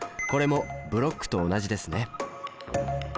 これもブロックと同じですね。